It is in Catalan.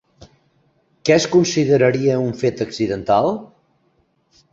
Què es consideraria un fet accidental?